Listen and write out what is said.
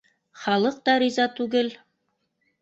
Халыҡ та риза түгел